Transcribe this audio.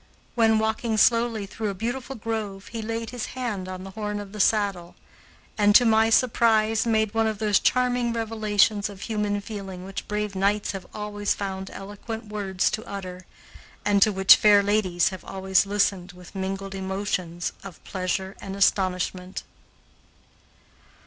When walking slowly through a beautiful grove, he laid his hand on the horn of the saddle and, to my surprise, made one of those charming revelations of human feeling which brave knights have always found eloquent words to utter, and to which fair ladies have always listened with mingled emotions of pleasure and astonishment.